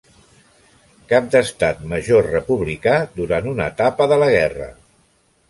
Cap d'Estat Major republicà durant una etapa de la guerra.